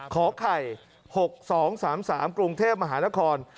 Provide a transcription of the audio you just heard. ขอไข่๖๒๓๓กรุงเทพมหานคร